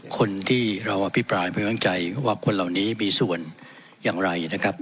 คนที่เราอภิปรายไม่วางใจว่าคนเหล่านี้มีส่วนอย่างไรนะครับ